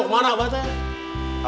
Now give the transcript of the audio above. namanya mau kemana